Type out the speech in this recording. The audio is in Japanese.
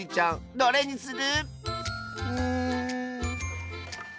これにする！